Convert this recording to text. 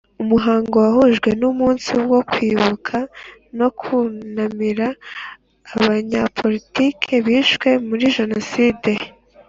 Umuhango wahujwe n’umunsi wo Kwibuka no kunamira Abanyapolitiki bishwe muri Jenoside.